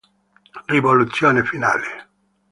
Risoluzione finale